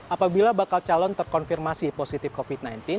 apabila bakal calon terkonfirmasi positif covid sembilan belas